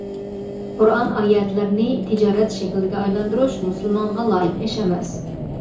قۇرئان ئايەتلىرىنى تىجارەت شەكلىگە ئايلاندۇرۇش مۇسۇلمانغا لايىق ئىش ئەمەس.